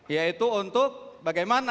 yaitu untuk bagaimana